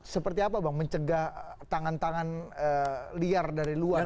seperti apa bang mencegah tangan tangan liar dari luar